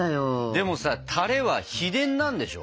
でもさたれは秘伝なんでしょ？